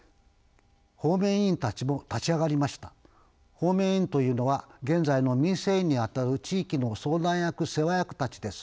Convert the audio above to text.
方面委員というのは現在の民生委員にあたる地域の相談役世話役たちです。